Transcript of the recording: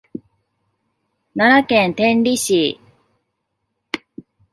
奈良県天理市